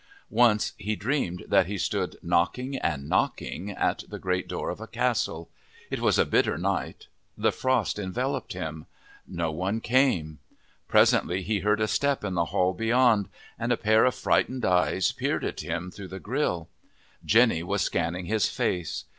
Once he dreamed that he stood knocking and knocking at the great door of a castle. It was a bitter night. The frost enveloped him. No one came. Presently he heard a footstep in the hall beyond, and a pair of frightened eyes peered at him through the grill. Jenny was scanning his face.